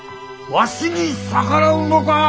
わしに逆らうのか！